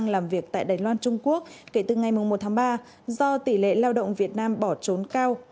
làm việc tại đài loan trung quốc kể từ ngày một tháng ba do tỷ lệ lao động việt nam bỏ trốn cao